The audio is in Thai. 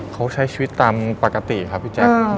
เขาใช้ชีวิตตามปกติครับพี่แจ๊ค